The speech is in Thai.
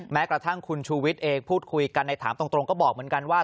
แม้กระทั่งคุณชูวิทย์เองพูดคุยกันในถามตรงก็บอกเหมือนกันว่า